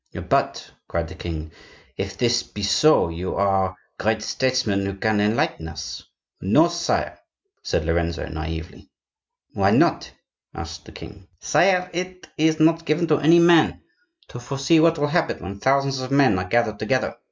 "But," cried the king, "if this be so, you are great statesmen who can enlighten us." "No, sire," said Lorenzo, naively. "Why not?" asked the king. "Sire, it is not given to any man to foresee what will happen when thousands of men are gathered together.